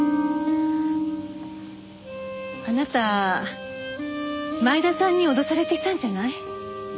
あなた前田さんに脅されていたんじゃない？